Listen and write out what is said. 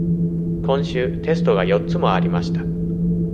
今週、テストが四つもありました。